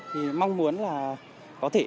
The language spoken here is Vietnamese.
thì mong muốn là có thể